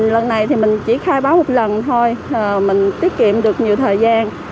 lần này thì mình chỉ khai báo một lần thôi mình tiết kiệm được nhiều thời gian